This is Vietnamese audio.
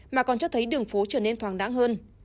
mà còn cho thấy đường phố trở nên thoảng đáng hơn